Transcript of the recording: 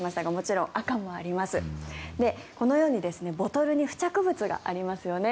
そしてこのようにボトルに付着物がありますよね。